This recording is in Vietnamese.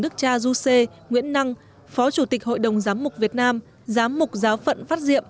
đức cha du sê nguyễn năng phó chủ tịch hội đồng giám mục việt nam giám mục giáo phận phát diệm